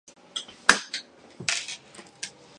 However, they were widely used for church ceremonies.